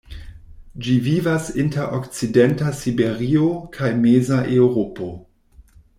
Ĝi vivas inter okcidenta Siberio kaj meza Eŭropo.